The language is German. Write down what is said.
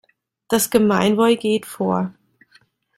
Das Gemeinwohl geht vor.